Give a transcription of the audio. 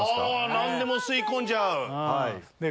何でも吸い込んじゃう。